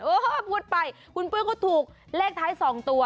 โอ้โฮพูดไปคุณปุ๊ยก็ถูกเลขไทย๒ตัว